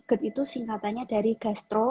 gerd itu singkatannya dari gastro